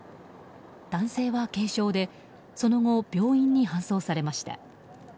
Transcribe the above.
男性は軽傷でその後、病院に搬送されました。